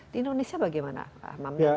di indonesia bagaimana pak hamam